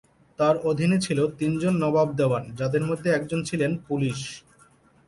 তার অধীনে ছিল তিনজন নবাব-দেওয়ান যাদের মধ্যে একজন ছিলেন পুলিশ।